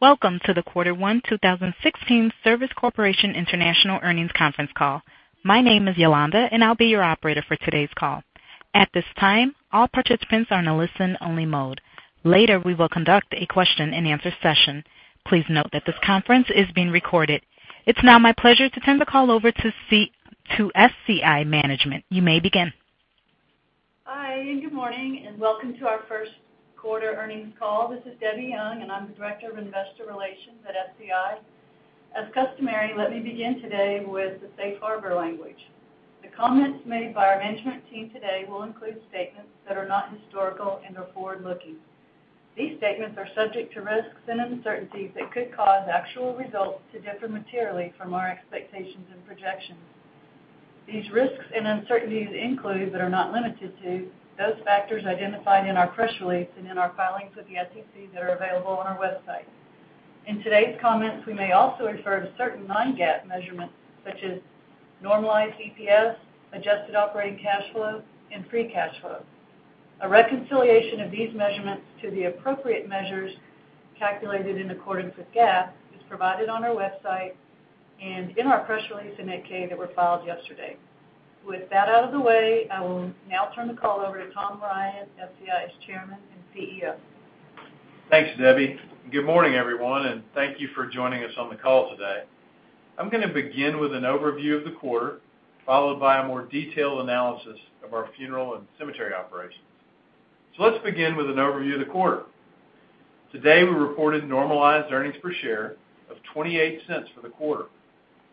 Welcome to the Q1 2016 Service Corporation International Earnings Conference Call. My name is Yolanda, and I'll be your operator for today's call. At this time, all participants are in a listen-only mode. Later, we will conduct a question-and-answer session. Please note that this conference is being recorded. It's now my pleasure to turn the call over to SCI Management. You may begin. Hi, and good morning, and welcome to our first quarter earnings call. This is Debbie Young, and I'm the Director of Investor Relations at SCI. As customary, let me begin today with the safe harbor language. The comments made by our management team today will include statements that are not historical and are forward-looking. These statements are subject to risks and uncertainties that could cause actual results to differ materially from our expectations and projections. These risks and uncertainties include, but are not limited to, those factors identified in our press release and in our filings with the SEC that are available on our website. In today's comments, we may also refer to certain non-GAAP measurements such as normalized EPS, adjusted operating cash flow, and free cash flow. A reconciliation of these measurements to the appropriate measures calculated in accordance with GAAP is provided on our website and in our press release and 8-K that were filed yesterday. With that out of the way, I will now turn the call over to Tom Ryan, SCI's Chairman and CEO. Thanks, Debbie. Good morning, everyone, and thank you for joining us on the call today. I'm going to begin with an overview of the quarter, followed by a more detailed analysis of our funeral and cemetery operations. Let's begin with an overview of the quarter. Today, we reported normalized earnings per share of $0.28 for the quarter,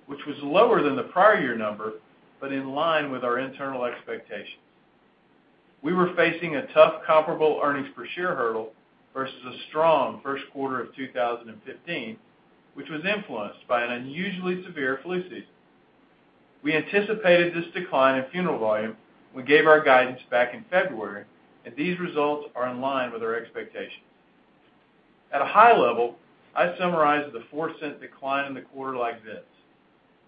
which was lower than the prior year number, but in line with our internal expectations. We were facing a tough comparable earnings per share hurdle versus a strong first quarter of 2015, which was influenced by an unusually severe flu season. We anticipated this decline in funeral volume when we gave our guidance back in February. These results are in line with our expectations. At a high level, I summarized the $0.04 decline in the quarter like this.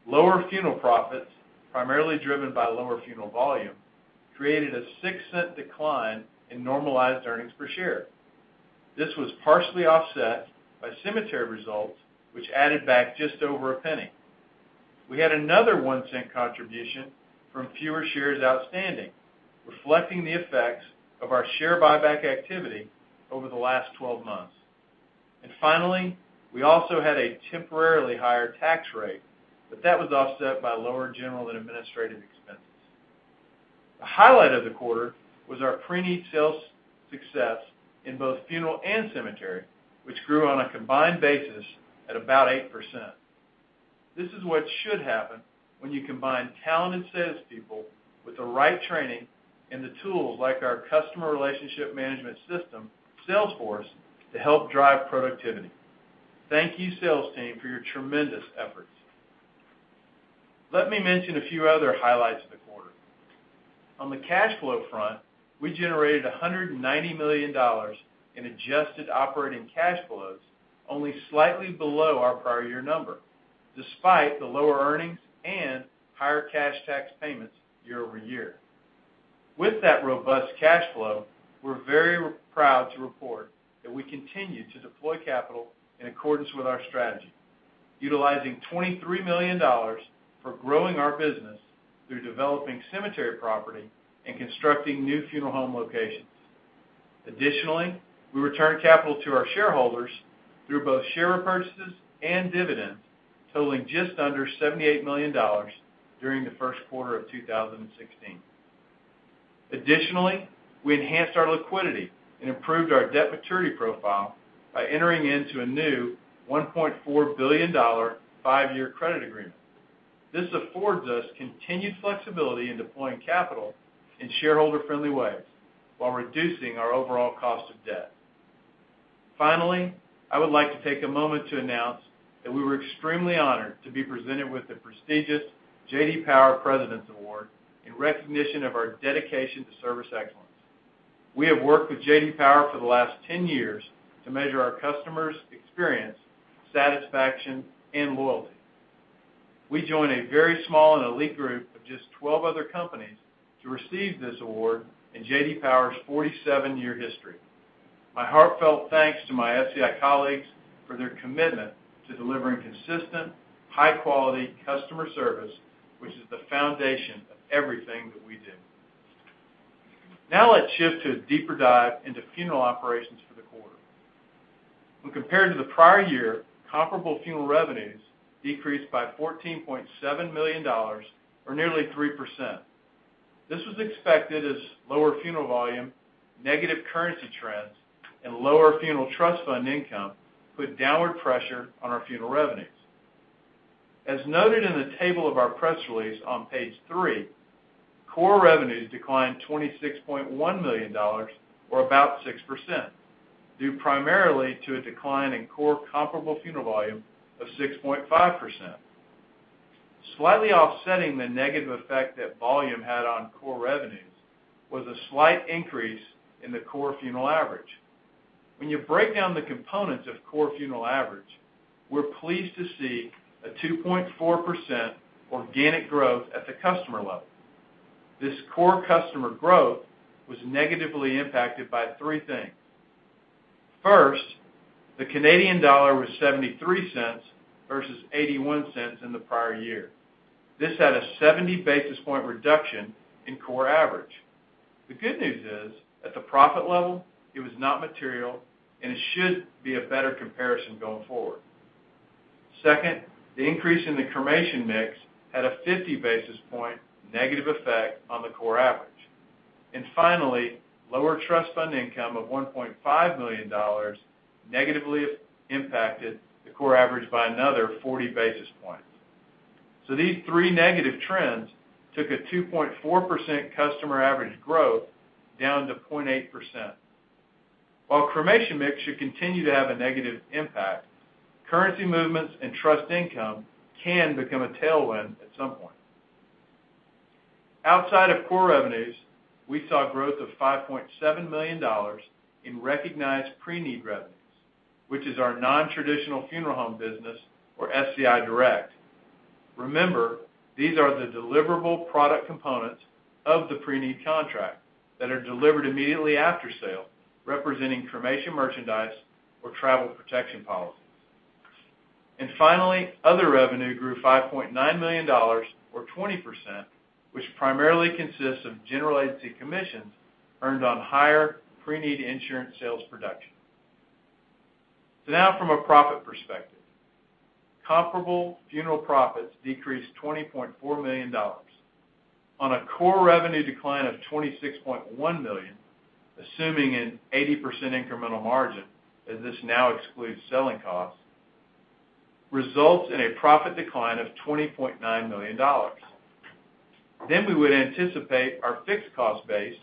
Lower funeral profits, primarily driven by lower funeral volume, created a $0.06 decline in normalized earnings per share. This was partially offset by cemetery results, which added back just over $0.01. We had another $0.01 contribution from fewer shares outstanding, reflecting the effects of our share buyback activity over the last 12 months. Finally, we also had a temporarily higher tax rate, but that was offset by lower general and administrative expenses. The highlight of the quarter was our pre-need sales success in both funeral and cemetery, which grew on a combined basis at about 8%. This is what should happen when you combine talented salespeople with the right training and the tools, like our customer relationship management system, Salesforce, to help drive productivity. Thank you, sales team, for your tremendous efforts. Let me mention a few other highlights of the quarter. On the cash flow front, we generated $190 million in adjusted operating cash flows, only slightly below our prior year number, despite the lower earnings and higher cash tax payments year-over-year. With that robust cash flow, we are very proud to report that we continue to deploy capital in accordance with our strategy, utilizing $23 million for growing our business through developing cemetery property and constructing new funeral home locations. Additionally, we returned capital to our shareholders through both share repurchases and dividends totaling just under $78 million during the first quarter of 2016. Additionally, we enhanced our liquidity and improved our debt maturity profile by entering into a new $1.4 billion 5-year credit agreement. This affords us continued flexibility in deploying capital in shareholder-friendly ways while reducing our overall cost of debt. Finally, I would like to take a moment to announce that we were extremely honored to be presented with the prestigious J.D. Power President's Award in recognition of our dedication to service excellence. We have worked with J.D. Power for the last 10 years to measure our customers' experience, satisfaction, and loyalty. We join a very small and elite group of just 12 other companies to receive this award in J.D. Power's 47-year history. My heartfelt thanks to my SCI colleagues for their commitment to delivering consistent, high-quality customer service, which is the foundation of everything that we do. Let's shift to a deeper dive into funeral operations for the quarter. When compared to the prior year, comparable funeral revenues decreased by $14.7 million, or nearly 3%. This was expected as lower funeral volume, negative currency trends, and lower funeral trust fund income put downward pressure on our funeral revenues. As noted in the table of our press release on page three, core revenues declined $26.1 million, or about 6%, due primarily to a decline in core comparable funeral volume of 6.5%. Slightly offsetting the negative effect that volume had on core revenues was a slight increase in the core funeral average. When you break down the components of core funeral average, we are pleased to see a 2.4% organic growth at the customer level. This core customer growth was negatively impacted by three things. First, the Canadian dollar was $0.73 versus $0.81 in the prior year. This had a 70 basis point reduction in core average. The good news is, at the profit level, it was not material, and it should be a better comparison going forward. Second, the increase in the cremation mix had a 50-basis-point negative effect on the core average. Finally, lower trust fund income of $1.5 million negatively impacted the core average by another 40 basis points. These three negative trends took a 2.4% customer average growth down to 0.8%. While cremation mix should continue to have a negative impact, currency movements and trust income can become a tailwind at some point. Outside of core revenues, we saw growth of $5.7 million in recognized pre-need revenues, which is our non-traditional funeral home business or SCI Direct. Remember, these are the deliverable product components of the pre-need contract that are delivered immediately after sale, representing cremation merchandise or travel protection policies. Finally, other revenue grew $5.9 million or 20%, which primarily consists of general agency commissions earned on higher pre-need insurance sales production. Now from a profit perspective. Comparable funeral profits decreased $20.4 million on a core revenue decline of $26.1 million, assuming an 80% incremental margin, as this now excludes selling costs, results in a profit decline of $20.9 million. We would anticipate our fixed cost base,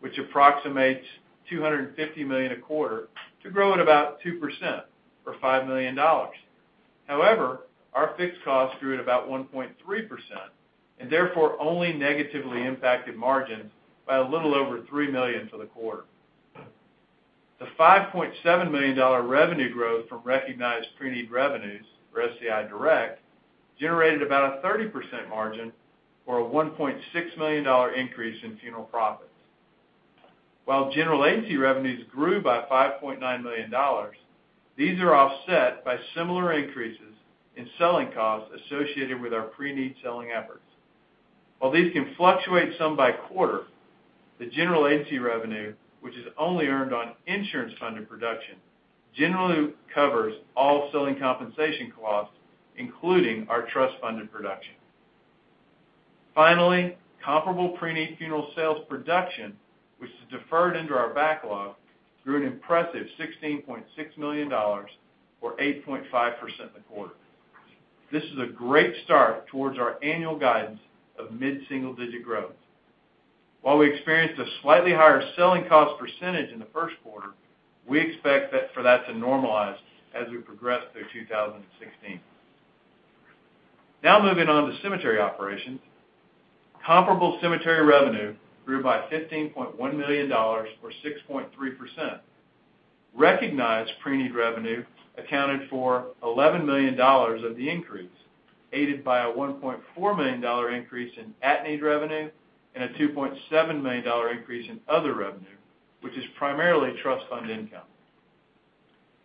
which approximates $250 million a quarter, to grow at about 2% or $5 million. However, our fixed cost grew at about 1.3%, and therefore only negatively impacted margins by a little over $3 million for the quarter. The $5.7 million revenue growth from recognized pre-need revenues for SCI Direct generated about a 30% margin or a $1.6 million increase in funeral profits. While general agency revenues grew by $5.9 million, these are offset by similar increases in selling costs associated with our pre-need selling efforts. While these can fluctuate some by quarter, the general agency revenue, which is only earned on insurance-funded production, generally covers all selling compensation costs, including our trust funded production. Finally, comparable pre-need funeral sales production, which is deferred into our backlog, grew an impressive $16.6 million, or 8.5% in the quarter. This is a great start towards our annual guidance of mid-single-digit growth. While we experienced a slightly higher selling cost percentage in the first quarter, we expect for that to normalize as we progress through 2016. Moving on to cemetery operations. Comparable cemetery revenue grew by $15.1 million or 6.3%. Recognized pre-need revenue accounted for $11 million of the increase, aided by a $1.4 million increase in at-need revenue and a $2.7 million increase in other revenue, which is primarily trust fund income.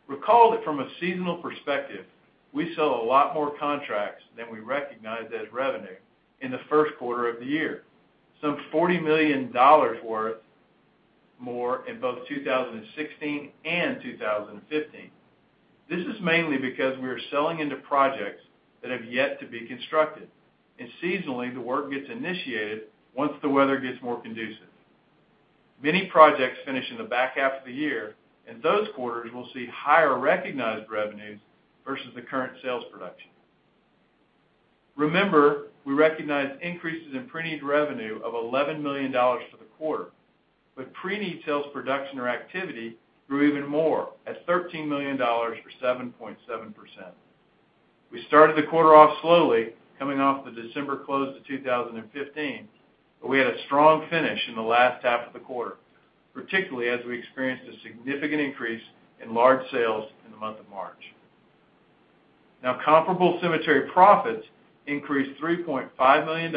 Recall that from a seasonal perspective, we sell a lot more contracts than we recognized as revenue in the first quarter of the year, some $40 million worth more in both 2016 and 2015. This is mainly because we are selling into projects that have yet to be constructed, and seasonally, the work gets initiated once the weather gets more conducive. Many projects finish in the back half of the year, and those quarters will see higher recognized revenues versus the current sales production. Remember, we recognized increases in pre-need revenue of $11 million for the quarter, pre-need sales production or activity grew even more at $13 million or 7.7%. We started the quarter off slowly, coming off the December close to 2015, but we had a strong finish in the last half of the quarter, particularly as we experienced a significant increase in large sales in the month of March. Comparable cemetery profits increased $3.5 million,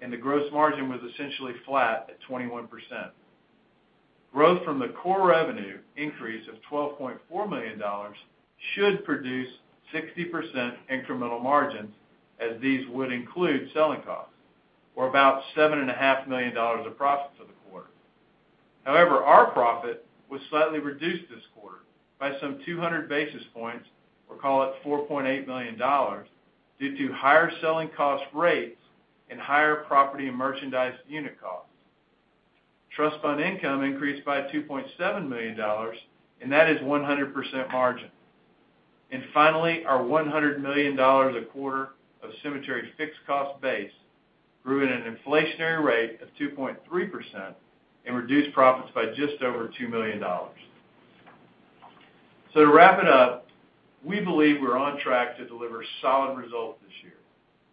and the gross margin was essentially flat at 21%. Growth from the core revenue increase of $12.4 million should produce 60% incremental margins, as these would include selling costs or about $7.5 million of profit for the quarter. However, our profit was slightly reduced this quarter by some 200 basis points, or call it $4.8 million, due to higher selling cost rates and higher property and merchandise unit costs. Trust fund income increased by $2.7 million, and that is 100% margin. Finally, our $100 million a quarter of cemetery fixed cost base grew at an inflationary rate of 2.3% and reduced profits by just over $2 million. To wrap it up, we believe we're on track to deliver solid results this year.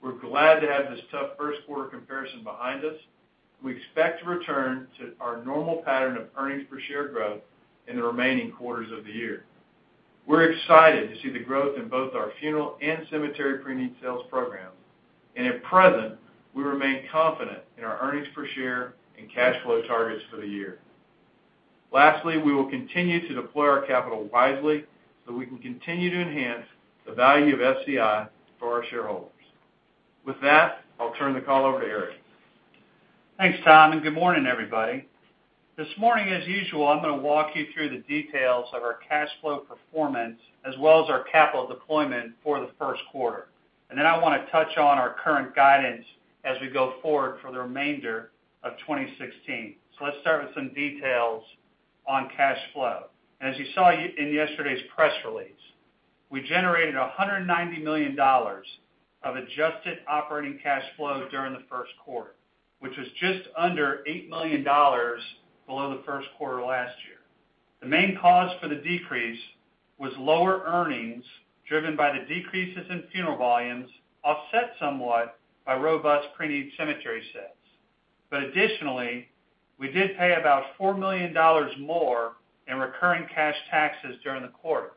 We're glad to have this tough first quarter comparison behind us. We expect to return to our normal pattern of earnings per share growth in the remaining quarters of the year. We're excited to see the growth in both our funeral and cemetery pre-need sales programs. At present, we remain confident in our earnings per share and cash flow targets for the year. Lastly, we will continue to deploy our capital wisely so we can continue to enhance the value of SCI for our shareholders. With that, I'll turn the call over to Eric. Thanks, Tom, and good morning, everybody. This morning, as usual, I'm going to walk you through the details of our cash flow performance, as well as our capital deployment for the first quarter. Then I want to touch on our current guidance as we go forward for the remainder of 2016. Let's start with some details on cash flow. As you saw in yesterday's press release, we generated $190 million of adjusted operating cash flow during the first quarter, which was just under $8 million below the first quarter last year. The main cause for the decrease was lower earnings driven by the decreases in funeral volumes, offset somewhat by robust pre-need cemetery sales. Additionally, we did pay about $4 million more in recurring cash taxes during the quarter.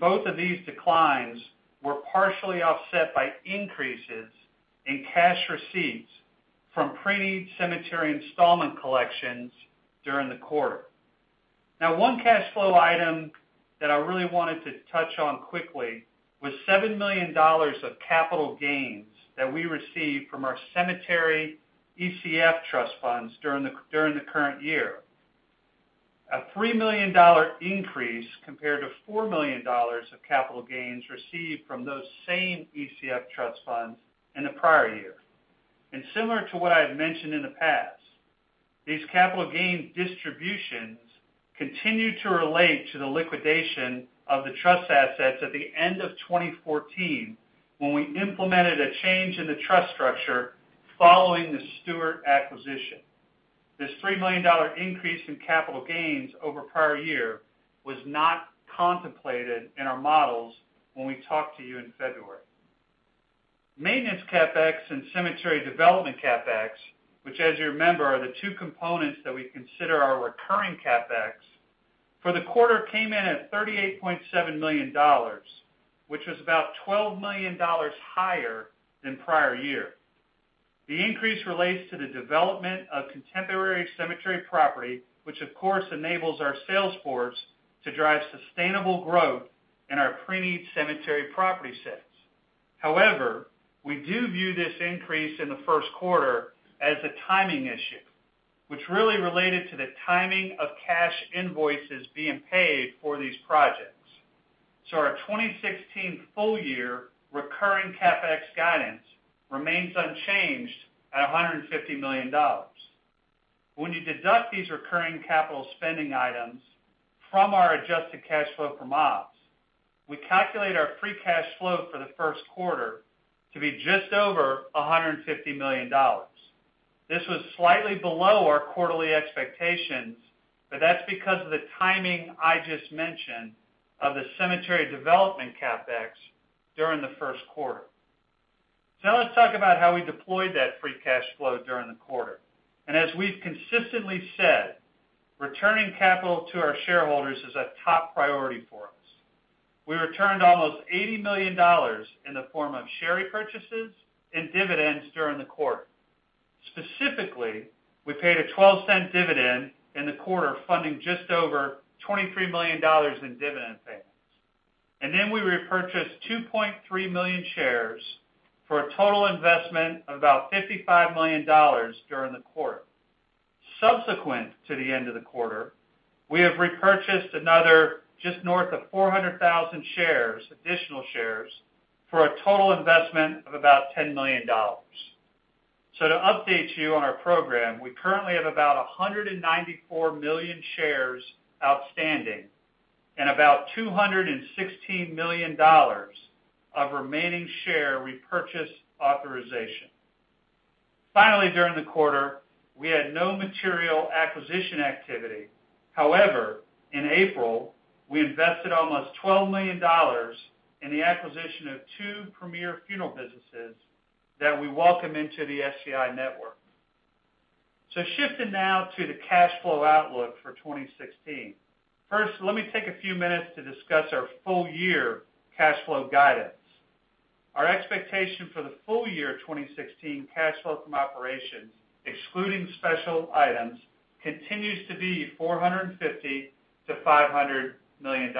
Both of these declines were partially offset by increases in cash receipts from pre-need cemetery installment collections during the quarter. Now, one cash flow item that I really wanted to touch on quickly was $7 million of capital gains that we received from our cemetery ECF trust funds during the current year. A $3 million increase compared to $4 million of capital gains received from those same ECF trust funds in the prior year. Similar to what I've mentioned in the past, these capital gains distributions continue to relate to the liquidation of the trust assets at the end of 2014, when we implemented a change in the trust structure following the Stewart acquisition. This $3 million increase in capital gains over prior year was not contemplated in our models when we talked to you in February. Maintenance CapEx and cemetery development CapEx, which as you remember, are the two components that we consider our recurring CapEx, for the quarter came in at $38.7 million, which was about $12 million higher than prior year. The increase relates to the development of contemporary cemetery property, which of course, enables our sales force to drive sustainable growth in our pre-need cemetery property sales. However, we do view this increase in the first quarter as a timing issue, which really related to the timing of cash invoices being paid for these projects. Our 2016 full-year recurring CapEx guidance remains unchanged at $150 million. When you deduct these recurring capital spending items from our adjusted cash flow from ops, we calculate our free cash flow for the first quarter to be just over $150 million. This was slightly below our quarterly expectations, but that's because of the timing I just mentioned of the cemetery development CapEx during the first quarter. Let's talk about how we deployed that free cash flow during the quarter. As we've consistently said, returning capital to our shareholders is a top priority for us. We returned almost $80 million in the form of share repurchases and dividends during the quarter. Specifically, we paid a $0.12 dividend in the quarter, funding just over $23 million in dividend payments. We repurchased 2.3 million shares for a total investment of about $55 million during the quarter. Subsequent to the end of the quarter, we have repurchased another just north of 400,000 shares, additional shares, for a total investment of about $10 million. To update you on our program, we currently have about 194 million shares outstanding and about $216 million of remaining share repurchase authorization. Finally, during the quarter, we had no material acquisition activity. However, in April, we invested almost $12 million in the acquisition of two premier funeral businesses that we welcome into the SCI network. Shifting now to the cash flow outlook for 2016. First, let me take a few minutes to discuss our full-year cash flow guidance. Our expectation for the full-year 2016 cash flow from operations, excluding special items, continues to be $450 million-$500 million.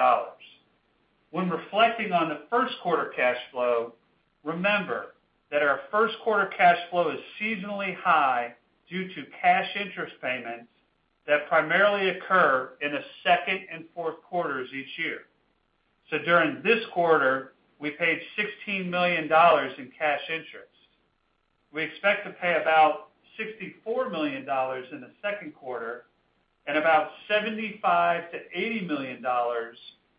When reflecting on the first quarter cash flow, remember that our first quarter cash flow is seasonally high due to cash interest payments that primarily occur in the second and fourth quarters each year. During this quarter, we paid $16 million in cash interest. We expect to pay about $64 million in the second quarter and about $75 million-$80 million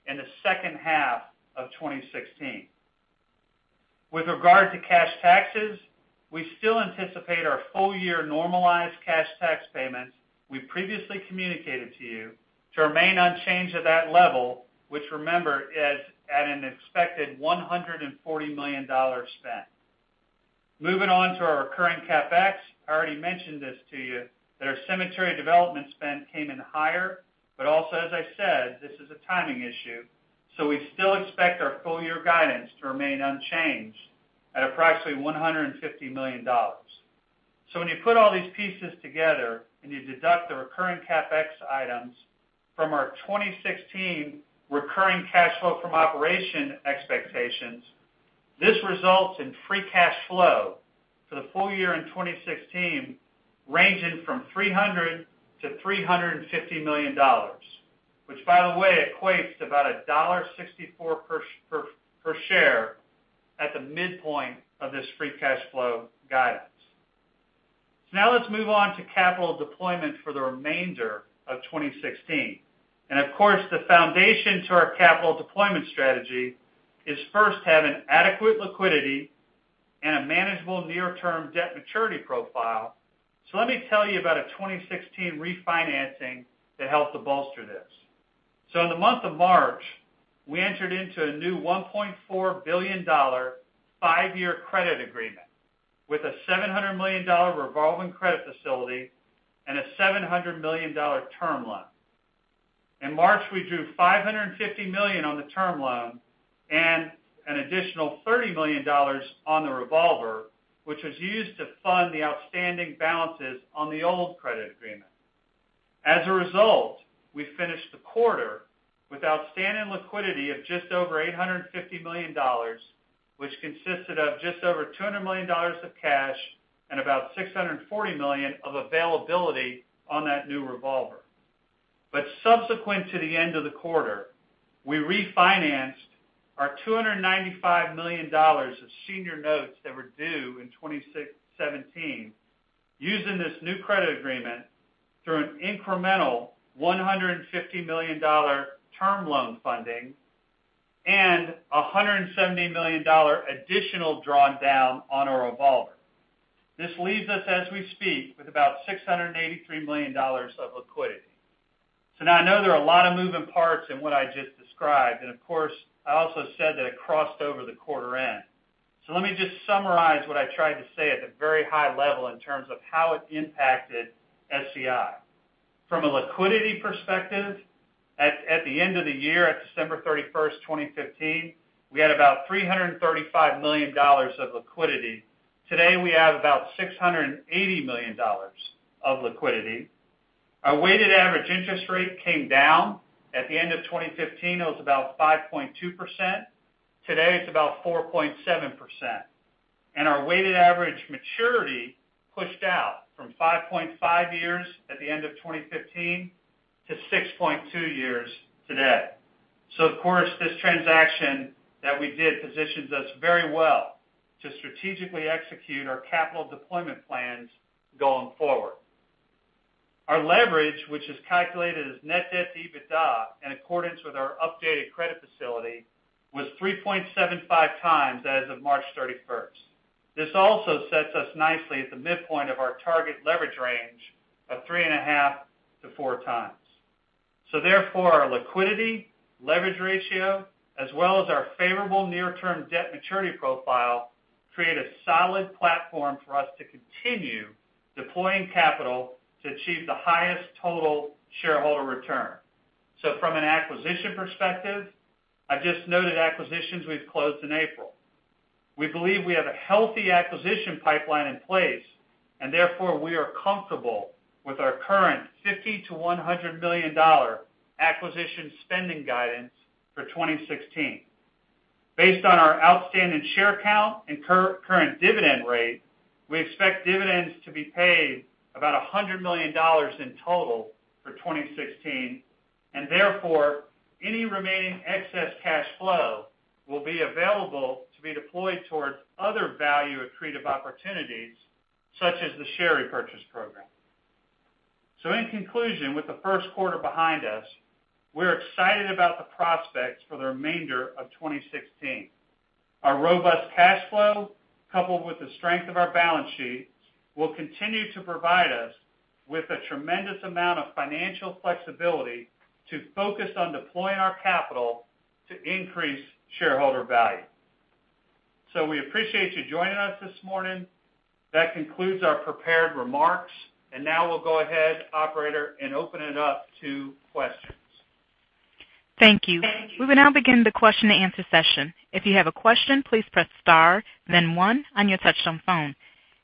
in the second half of 2016. With regard to cash taxes, we still anticipate our full-year normalized cash tax payments we previously communicated to you to remain unchanged at that level, which remember, is at an expected $140 million. Our recurring CapEx. I already mentioned this to you, that our cemetery development spend came in higher, but also as I said, this is a timing issue, so we still expect our full-year guidance to remain unchanged at approximately $150 million. When you put all these pieces together and you deduct the recurring CapEx items from our 2016 recurring cash flow from operation expectations, this results in free cash flow for the full year in 2016, ranging from $300 million-$350 million. By the way, equates to about a $1.64 per share at the midpoint of this free cash flow guidance. Now let's move on to capital deployment for the remainder of 2016. Of course, the foundation to our capital deployment strategy is first have an adequate liquidity and a manageable near-term debt maturity profile. Let me tell you about a 2016 refinancing that helped to bolster this. In the month of March, we entered into a new $1.4 billion five-year credit agreement with a $700 million revolving credit facility and a $700 million term loan. In March, we drew $550 million on the term loan and an additional $30 million on the revolver, which was used to fund the outstanding balances on the old credit agreement. As a result, we finished the quarter with outstanding liquidity of just over $850 million, which consisted of just over $200 million of cash and about $640 million of availability on that new revolver. Subsequent to the end of the quarter, we refinanced our $295 million of senior notes that were due in 2017 using this new credit agreement through an incremental $150 million term loan funding and $170 million additional draw down on our revolver. This leaves us as we speak with about $683 million of liquidity. Now I know there are a lot of moving parts in what I just described, of course, I also said that it crossed over the quarter end. Let me just summarize what I tried to say at the very high level in terms of how it impacted SCI. From a liquidity perspective, at the end of the year, at December 31st, 2015, we had about $335 million of liquidity. Today we have about $680 million of liquidity. Our weighted average interest rate came down. At the end of 2015, it was about 5.2%. Today it's about 4.7%. Our weighted average maturity pushed out from 5.5 years at the end of 2015 to 6.2 years today. Of course, this transaction that we did positions us very well to strategically execute our capital deployment plans going forward. Our leverage, which is calculated as net debt to EBITDA in accordance with our updated credit facility, was 3.75 times as of March 31st. This also sets us nicely at the midpoint of our target leverage range of three and a half to four times. Therefore, our liquidity leverage ratio as well as our favorable near-term debt maturity profile create a solid platform for us to continue deploying capital to achieve the highest total shareholder return. From an acquisition perspective, I just noted acquisitions we've closed in April. We believe we have a healthy acquisition pipeline in place, therefore we are comfortable with our current $50 million-$100 million acquisition spending guidance for 2016. Based on our outstanding share count and current dividend rate, we expect dividends to be paid about $100 million in total for 2016, therefore, any remaining excess cash flow will be available to be deployed towards other value-accretive opportunities such as the share repurchase program. In conclusion, with the first quarter behind us, we're excited about the prospects for the remainder of 2016. Our robust cash flow, coupled with the strength of our balance sheet, will continue to provide us with a tremendous amount of financial flexibility to focus on deploying our capital to increase shareholder value. We appreciate you joining us this morning. That concludes our prepared remarks, now we'll go ahead, operator, and open it up to questions. Thank you. We will now begin the question and answer session. If you have a question, please press star then one on your touchtone phone.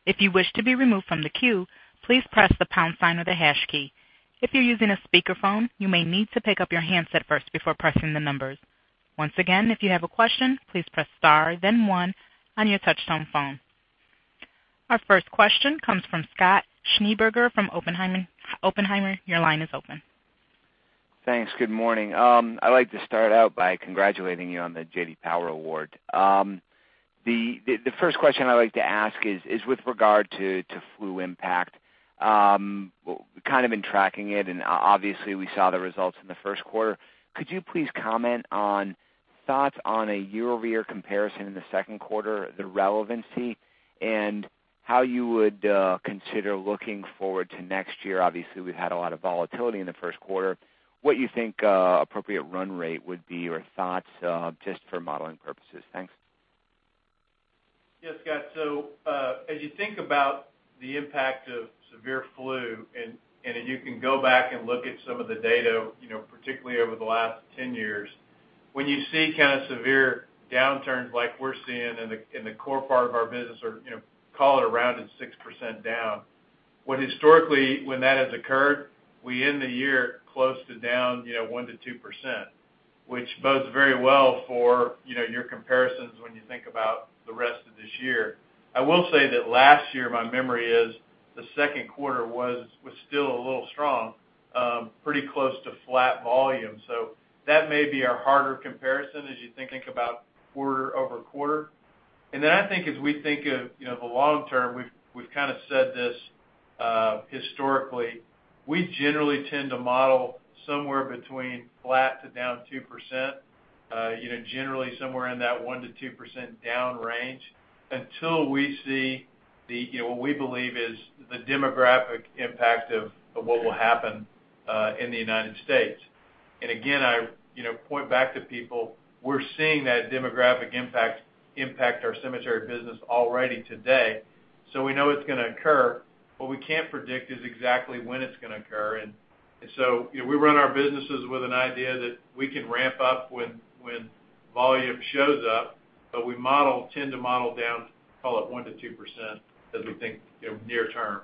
If you wish to be removed from the queue, please press the pound sign or the hash key. If you're using a speakerphone, you may need to pick up your handset first before pressing the numbers. Once again, if you have a question, please press star then one on your touchtone phone. Our first question comes from Scott Schneeberger from Oppenheimer. Your line is open. Thanks. Good morning. I'd like to start out by congratulating you on the J.D. Power Award. The first question I'd like to ask is with regard to flu impact. We've kind of been tracking it, and obviously we saw the results in the first quarter. Could you please comment on thoughts on a year-over-year comparison in the second quarter, the relevancy and how you would consider looking forward to next year? Obviously, we've had a lot of volatility in the first quarter. What you think appropriate run rate would be or thoughts just for modeling purposes? Thanks. Yes, Scott. As you think about the impact of severe flu, and you can go back and look at some of the data, particularly over the last 10 years. When you see kind of severe downturns like we're seeing in the core part of our business or call it around at 6% down, when historically that has occurred, we end the year close to down 1%-2%, which bodes very well for your comparisons when you think about the rest of this year. I will say that last year, my memory is the second quarter was still a little strong, pretty close to flat volume. That may be our harder comparison as you think about quarter-over-quarter. I think as we think of the long term, we've kind of said this historically, we generally tend to model somewhere between flat to down 2%, generally somewhere in that 1% to 2% down range until we see what we believe is the demographic impact of what will happen in the U.S. Again, I point back to people, we're seeing that demographic impact our cemetery business already today, so we know it's going to occur. What we can't predict is exactly when it's going to occur. We run our businesses with an idea that we can ramp up when volume shows up, but we tend to model down, call it 1% to 2%, as we think near term.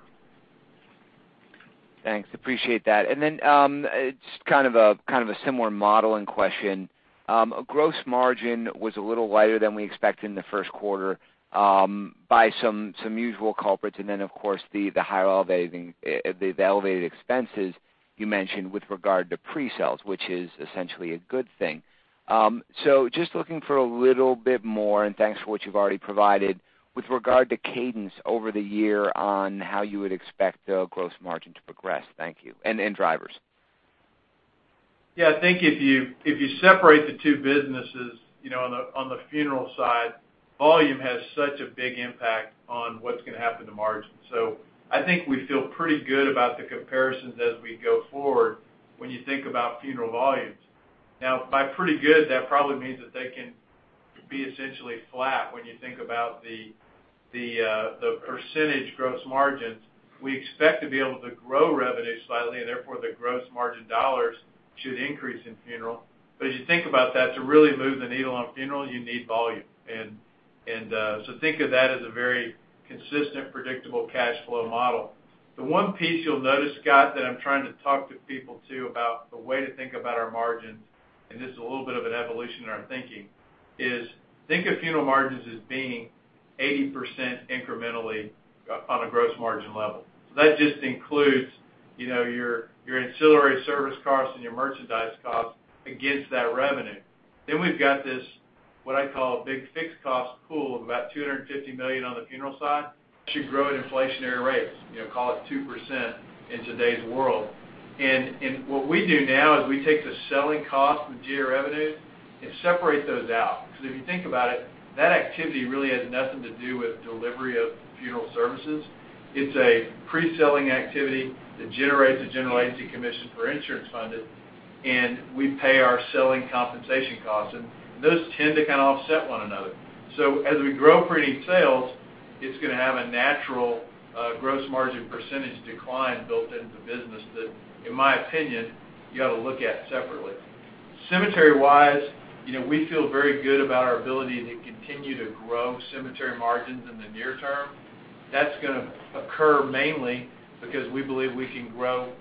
Thanks. Appreciate that. Just kind of a similar modeling question. Gross margin was a little lighter than we expected in the first quarter by some usual culprits, of course, the elevated expenses you mentioned with regard to pre-need, which is essentially a good thing. Just looking for a little bit more, and thanks for what you've already provided with regard to cadence over the year on how you would expect gross margin to progress. Thank you. Drivers. I think if you separate the two businesses on the funeral side, volume has such a big impact on what's going to happen to margin. I think we feel pretty good about the comparisons as we go forward when you think about funeral volumes. Now by pretty good, that probably means that they can be essentially flat when you think about the percentage gross margins. We expect to be able to grow revenue slightly, and therefore, the gross margin dollars should increase in funeral. As you think about that, to really move the needle on funeral, you need volume. Think of that as a very consistent, predictable cash flow model. The one piece you'll notice, Scott, that I'm trying to talk to people too about the way to think about our margins, and this is a little bit of an evolution in our thinking, is think of funeral margins as being 80% incrementally on a gross margin level. That just includes your ancillary service costs and your merchandise costs against that revenue. We've got this, what I call a big fixed cost pool of about $250 million on the funeral side, should grow at inflationary rates, call it 2% in today's world. What we do now is we take the selling cost of G&A revenue and separate those out. Because if you think about it, that activity really has nothing to do with delivery of funeral services. It's a pre-selling activity that generates a general agency commission for insurance funded. We pay our selling compensation costs, and those tend to kind of offset one another. As we grow pre-need sales, it's going to have a natural gross margin percentage decline built into the business that, in my opinion, you got to look at separately. Cemetery-wise, we feel very good about our ability to continue to grow cemetery margins in the near term. That's going to occur mainly because we believe we can grow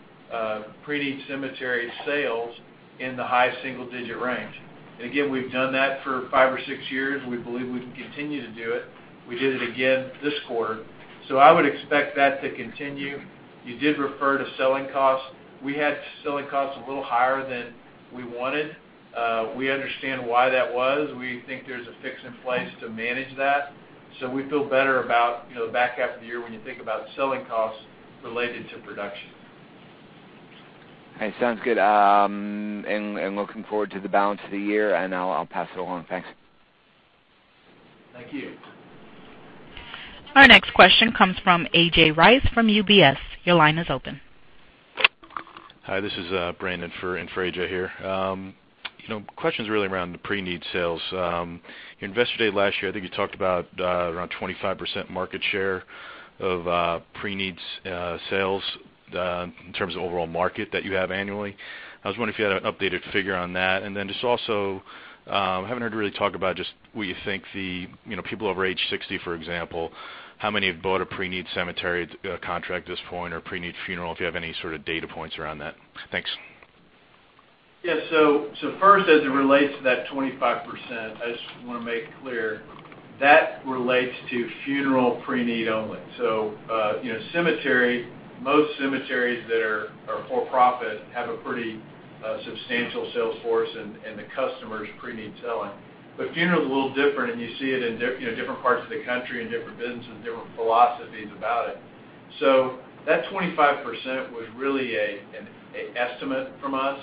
pre-need cemetery sales in the high single-digit range. Again, we've done that for five or six years. We believe we can continue to do it. We did it again this quarter. I would expect that to continue. You did refer to selling costs. We had selling costs a little higher than we wanted. We understand why that was. We think there's a fix in place to manage that. We feel better about the back half of the year when you think about selling costs related to production. Okay, sounds good. Looking forward to the balance of the year, and I'll pass it along. Thanks. Thank you. Our next question comes from A.J. Rice from UBS. Your line is open. Hi, this is Brandon in for A.J. here. Question's really around the pre-need sales. Investor Day last year, I think you talked about around 25% market share of pre-need sales in terms of overall market that you have annually. I was wondering if you had an updated figure on that. Just also, I haven't heard you really talk about just where you think the people over age 60, for example, how many have bought a pre-need cemetery contract at this point or pre-need funeral, if you have any sort of data points around that. Thanks. Yeah. First, as it relates to that 25%, I just want to make clear, that relates to funeral pre-need only. Most cemeteries that are for-profit have a pretty substantial sales force in the customers pre-need selling. Funeral is a little different, and you see it in different parts of the country and different businesses and different philosophies about it. That 25% was really an estimate from us.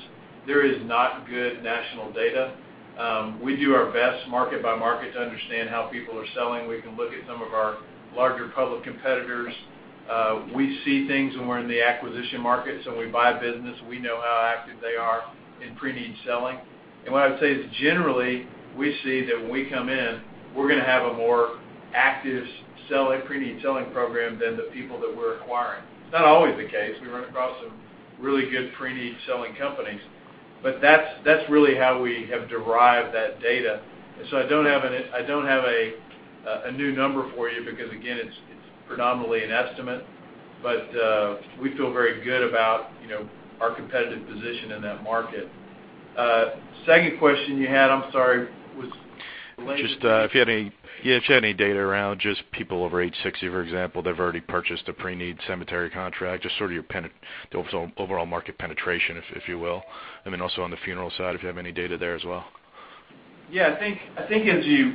There is not good national data. We do our best market by market to understand how people are selling. We can look at some of our larger public competitors. We see things when we're in the acquisition market, so when we buy a business, we know how active they are in pre-need selling. What I would say is, generally, we see that when we come in, we're going to have a more active pre-need selling program than the people that we're acquiring. It's not always the case. We run across some really good pre-need selling companies, that's really how we have derived that data. I don't have a new number for you because, again, it's predominantly an estimate. We feel very good about our competitive position in that market. Second question you had, I'm sorry, was related to? if you had any data around just people over age 60, for example, that have already purchased a pre-need cemetery contract, just sort of your overall market penetration, if you will. Then also on the funeral side, if you have any data there as well. Yeah.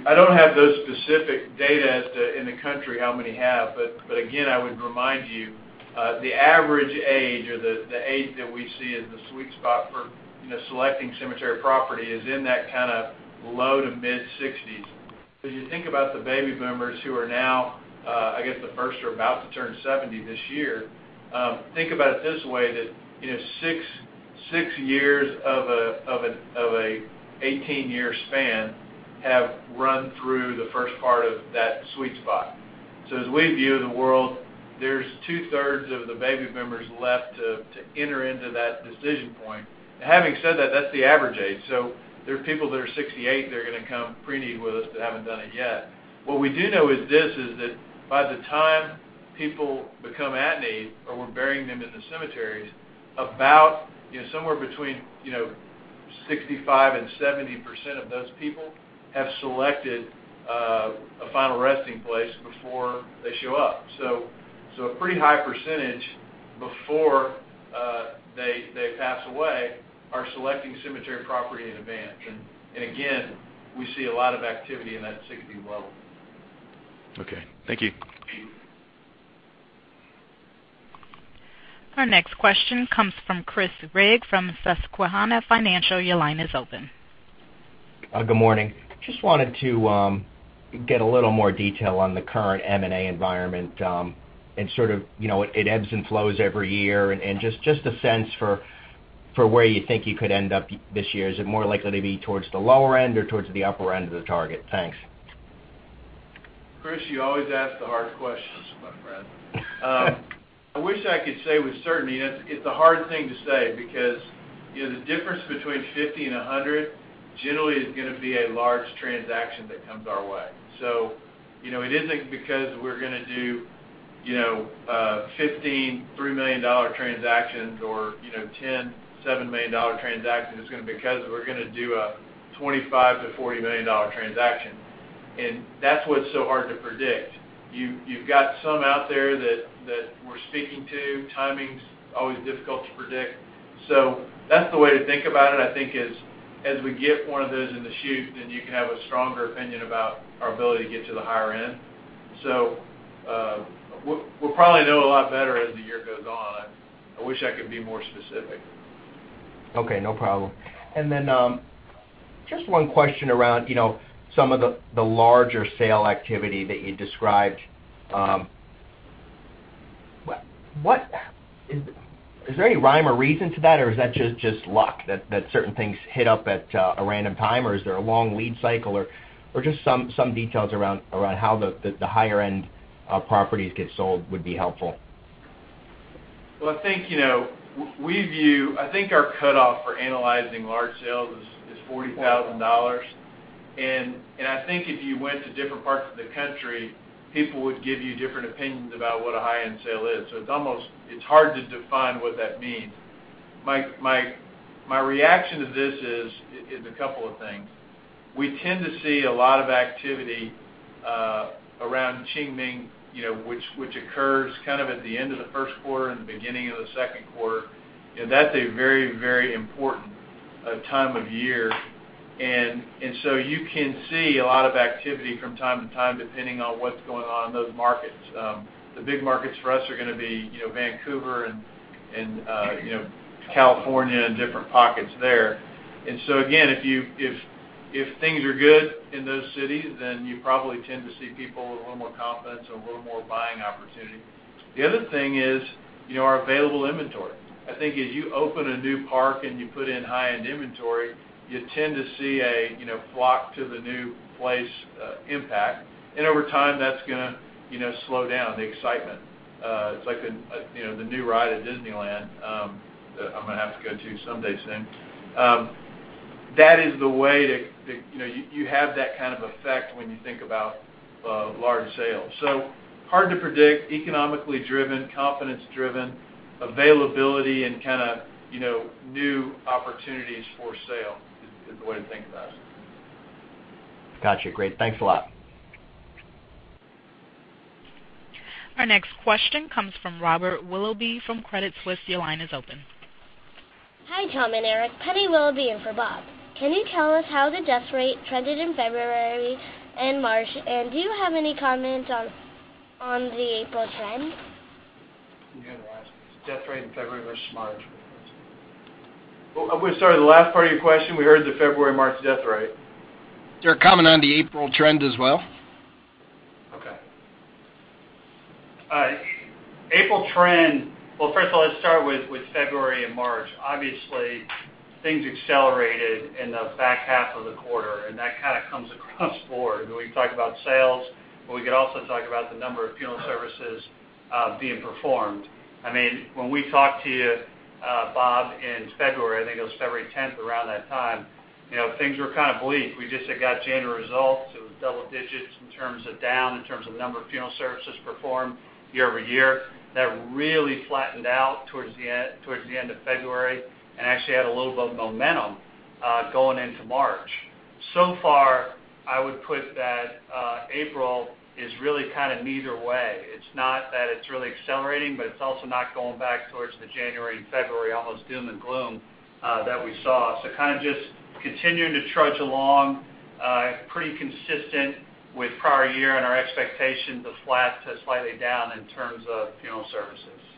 I don't have those specific data as to in the country how many have, but again, I would remind you, the average age or the age that we see as the sweet spot for selecting cemetery property is in that kind of low to mid-60s. As you think about the baby boomers who are now, I guess, the first are about to turn 70 this year, think about it this way, that six years of a 18-year span have run through the first part of that sweet spot. As we view the world, there's two-thirds of the baby boomers left to enter into that decision point. Having said that's the average age. There are people that are 68 that are going to come pre-need with us that haven't done it yet. What we do know is this, is that by the time people become at-need, or we're burying them in the cemeteries, about somewhere between 65% and 70% of those people have selected a final resting place before they show up. A pretty high percentage before they pass away are selecting cemetery property in advance. Again, we see a lot of activity in that 60 level. Okay. Thank you. Our next question comes from Chris Rigg from Susquehanna Financial. Your line is open. Good morning. Just wanted to get a little more detail on the current M&A environment. Just a sense for where you think you could end up this year. Is it more likely to be towards the lower end or towards the upper end of the target? Thanks. Chris, you always ask the hard questions, my friend. I wish I could say with certainty. It's a hard thing to say because the difference between $50 and $100 generally is going to be a large transaction that comes our way. It isn't because we're going to do 15, $3 million transactions or 10, $7 million transactions. It's going to be because we're going to do a $25 million-$40 million transaction. That's what's so hard to predict. You've got some out there that we're speaking to. Timing's always difficult to predict. That's the way to think about it, I think is, as we get one of those in the chute, you can have a stronger opinion about our ability to get to the higher end. We'll probably know a lot better as the year goes on. I wish I could be more specific. Okay. No problem. Just one question around some of the larger sale activity that you described. Is there any rhyme or reason to that, or is that just luck that certain things hit up at a random time, or is there a long lead cycle? Just some details around how the higher-end properties get sold would be helpful. I think our cutoff for analyzing large sales is $40,000. I think if you went to different parts of the country, people would give you different opinions about what a high-end sale is. It's hard to define what that means. My reaction to this is a couple of things. We tend to see a lot of activity around Qingming, which occurs kind of at the end of the first quarter and the beginning of the second quarter. That's a very, very important time of year, you can see a lot of activity from time to time, depending on what's going on in those markets. The big markets for us are going to be Vancouver and California and different pockets there. Again, if things are good in those cities, you probably tend to see people with a little more confidence, a little more buying opportunity. The other thing is our available inventory. I think as you open a new park and you put in high-end inventory, you tend to see a flock to the new place impact. Over time, that's going to slow down, the excitement. It's like the new ride at Disneyland that I'm going to have to go to someday soon. That is the way that you have that kind of effect when you think about large sales. Hard to predict, economically driven, confidence driven, availability, and kind of new opportunities for sale is the way to think about it. Got you. Great. Thanks a lot. Our next question comes from Robert Willoughby from Credit Suisse. Your line is open. Hi, Tom and Eric. Penny Willoughby in for Bob. Can you tell us how the death rate trended in February and March, and do you have any comment on the April trends? Can you hear that? Death rate in February versus March. I'm going to start with the last part of your question. We heard the February, March death rate. They're commenting on the April trend as well. Okay. April trend. First of all, let's start with February and March. Obviously, things accelerated in the back half of the quarter. That kind of comes across board. We could talk about sales. We could also talk about the number of funeral services being performed. When we talked to you, Bob, in February, I think it was February 10th, around that time, things were kind of bleak. We just had got January results. It was double digits in terms of down, in terms of number of funeral services performed year-over-year. That really flattened out towards the end of February and actually had a little bit of momentum going into March. I would put that April is really kind of neither way. It's not that it's really accelerating. It's also not going back towards the January and February almost doom and gloom that we saw. Kind of just continuing to trudge along, pretty consistent with prior year and our expectations of flat to slightly down in terms of funeral services.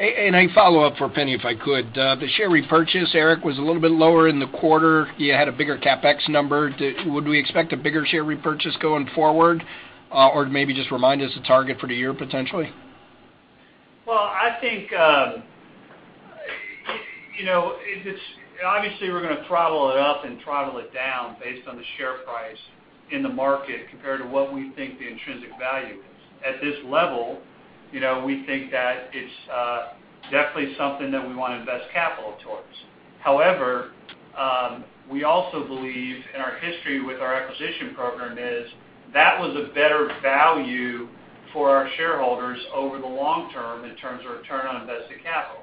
A follow-up for Penny, if I could. The share repurchase, Eric, was a little bit lower in the quarter. You had a bigger CapEx number. Would we expect a bigger share repurchase going forward? Or maybe just remind us the target for the year, potentially. Well, obviously, we're going to throttle it up and throttle it down based on the share price in the market compared to what we think the intrinsic value is. At this level, we think that it's definitely something that we want to invest capital towards. However, we also believe, and our history with our acquisition program is, that was a better value for our shareholders over the long term in terms of return on invested capital.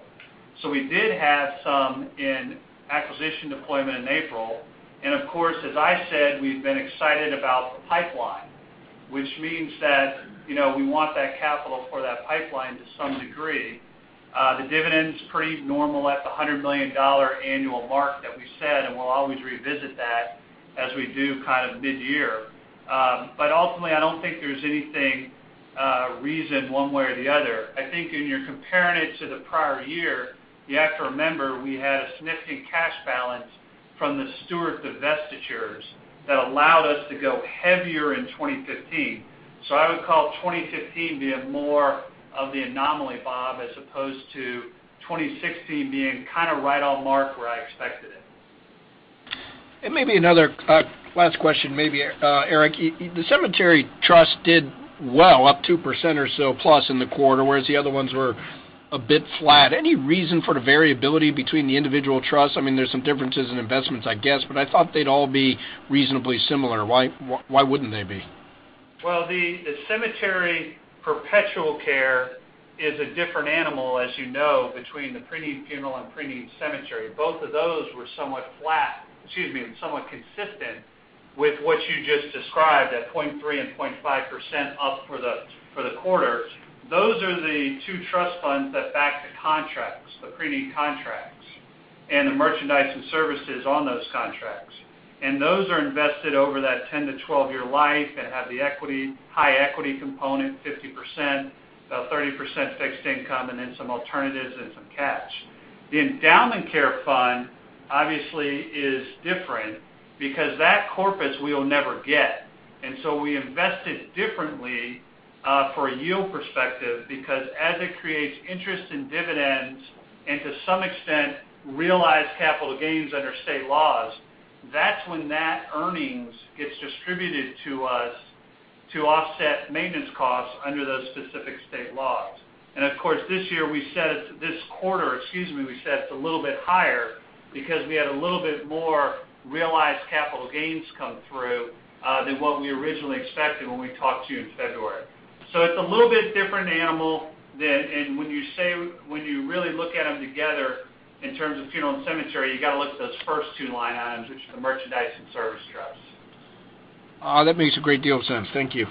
We did have some in acquisition deployment in April. Of course, as I said, we've been excited about the pipeline, which means that we want that capital for that pipeline to some degree. The dividend's pretty normal at the $100 million annual mark that we said, and we'll always revisit that as we do kind of mid-year. Ultimately, I don't think there's anything reason one way or the other. I think when you're comparing it to the prior year, you have to remember we had a significant cash balance from the Stewart divestitures that allowed us to go heavier in 2015. I would call 2015 being more of the anomaly, Bob, as opposed to 2016 being kind of right on mark where I expected it. Maybe another last question, maybe, Eric. The cemetery trust did well, up 2% or so plus in the quarter, whereas the other ones were a bit flat. Any reason for the variability between the individual trusts? There's some differences in investments, I guess, but I thought they'd all be reasonably similar. Why wouldn't they be? The cemetery perpetual care is a different animal, as you know, between the pre-need funeral and pre-need cemetery. Both of those were somewhat consistent with what you just described, at 0.3% and 0.5% up for the quarter. Those are the two trust funds that back the contracts, the pre-need contracts, and the merchandise and services on those contracts. Those are invested over that 10- to 12-year life and have the high equity component, 50%, 30% fixed income, and then some alternatives and some cash. The endowment care fund, obviously, is different because that corpus we will never get. So we invest it differently for a yield perspective because as it creates interest in dividends and to some extent realized capital gains under state laws, that's when that earnings gets distributed to us to offset maintenance costs under those specific state laws. Of course, this quarter, we set it a little bit higher because we had a little bit more realized capital gains come through than what we originally expected when we talked to you in February. It's a little bit different animal, and when you really look at them together in terms of funeral and cemetery, you got to look at those first two line items, which are the merchandise and service trusts. That makes a great deal of sense. Thank you.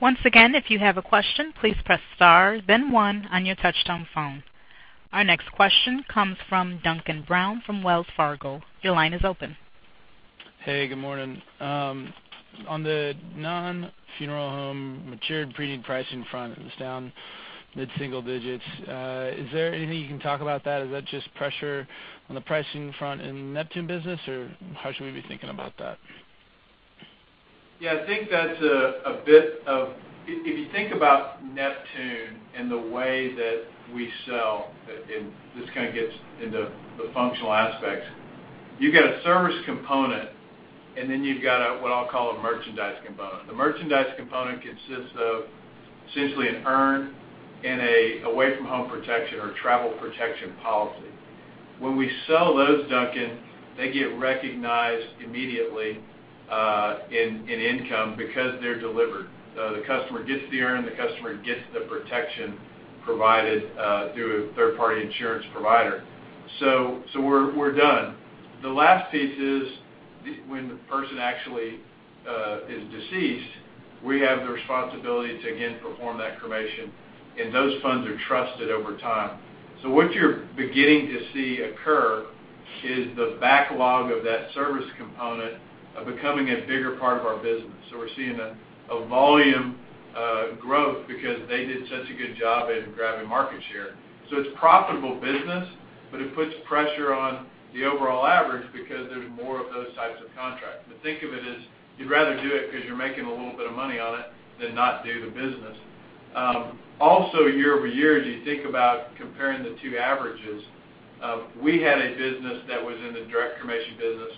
Once again, if you have a question, please press star then one on your touch-tone phone. Our next question comes from Duncan Brown from Wells Fargo. Your line is open. Hey, good morning. On the non-funeral home matured pre-need pricing front, it was down mid-single digits. Is there anything you can talk about that? Is that just pressure on the pricing front in Neptune business, or how should we be thinking about that? Yeah, if you think about Neptune and the way that we sell, and this kind of gets into the functional aspects, you've got a service component, and then you've got what I'll call a merchandise component. The merchandise component consists of essentially an urn and an away-from-home protection or travel protection policy. When we sell those, Duncan, they get recognized immediately in income because they're delivered. The customer gets the urn, the customer gets the protection provided through a third-party insurance provider. We're done. The last piece is when the person actually is deceased, we have the responsibility to, again, perform that cremation, and those funds are trusteed over time. What you're beginning to see occur is the backlog of that service component becoming a bigger part of our business. We're seeing a volume growth because they did such a good job at grabbing market share. It's profitable business, but it puts pressure on the overall average because there's more of those types of contracts. Think of it as you'd rather do it because you're making a little bit of money on it than not do the business. Also, year-over-year, as you think about comparing the two averages, we had a business that was in the direct cremation business,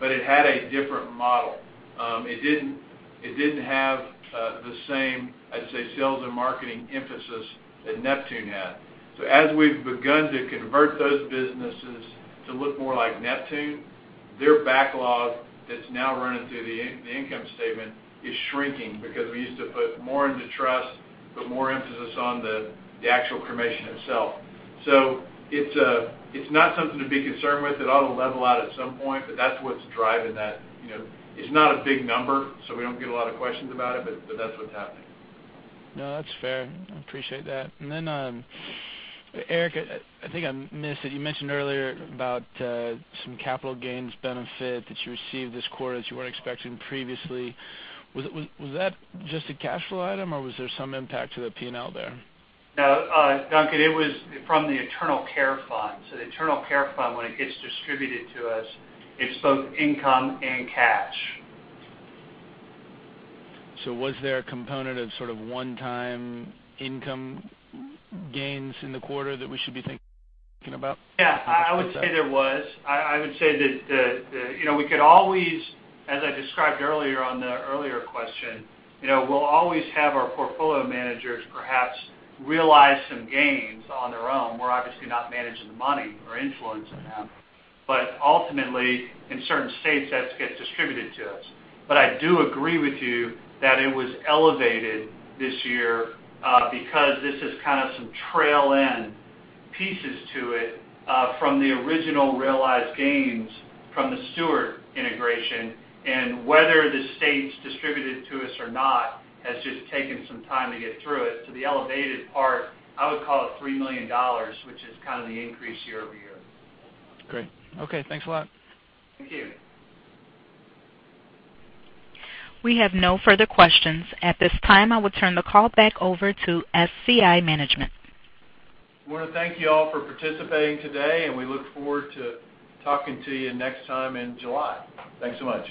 but it had a different model. It didn't have the same, I'd say, sales and marketing emphasis that Neptune had. As we've begun to convert those businesses to look more like Neptune, their backlog that's now running through the income statement is shrinking because we used to put more into trust, put more emphasis on the actual cremation itself. It's not something to be concerned with. It ought to level out at some point, but that's what's driving that. It's not a big number, so we don't get a lot of questions about it, but that's what's happening. No, that's fair. I appreciate that. Eric, I think I missed it. You mentioned earlier about some capital gains benefit that you received this quarter that you weren't expecting previously. Was that just a cash flow item, or was there some impact to the P&L there? No, Duncan, it was from the endowment care fund. The endowment care fund, when it gets distributed to us, it's both income and cash. Was there a component of sort of one-time income gains in the quarter that we should be thinking about? I would say there was. I would say that we could always, as I described earlier on the earlier question, we'll always have our portfolio managers perhaps realize some gains on their own. We're obviously not managing the money or influencing them. Ultimately, in certain states, that gets distributed to us. I do agree with you that it was elevated this year, because this is kind of some trail end pieces to it, from the original realized gains from the Stewart integration. Whether the states distribute it to us or not has just taken some time to get through it. The elevated part, I would call it $3 million, which is kind of the increase year-over-year. Great. Okay. Thanks a lot. Thank you. We have no further questions. At this time, I will turn the call back over to SCI Management. We want to thank you all for participating today, and we look forward to talking to you next time in July. Thanks so much.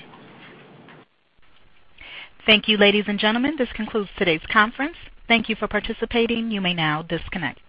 Thank you, ladies and gentlemen. This concludes today's conference. Thank you for participating. You may now disconnect.